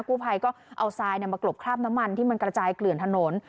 กู้ภัยก็เอาทรายมากรบคราบน้ำมันที่มันกระจายเกลื่อนถนน